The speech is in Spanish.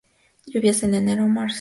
Lluvias enero-marzo.